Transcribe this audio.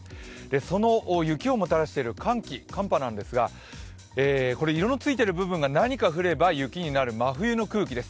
その雪をもたらしている寒波なんですが、色のついている部分が何か降れば雪になる真冬の空気です。